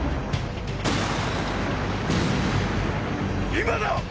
今だ！